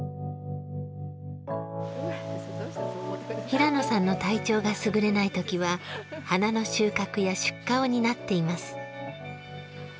平野さんの体調が優れないときは花の収穫や出荷を担っています。